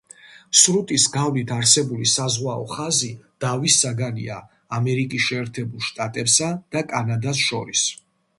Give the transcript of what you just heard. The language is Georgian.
სრუტის გავლით არსებული საზღვაო ხაზი დავის საგანია ამერიკის შეერთებულ შტატებსა და კანადას შორის.